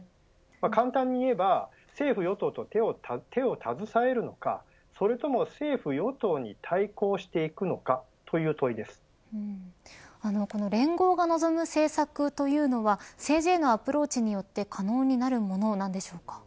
簡単に言えば政府・与党と手を携えるかそれとも、政府・与党に対抗していくのか連合が望む政策というのは政治へのアプローチによって可能になるものなんでしょうか。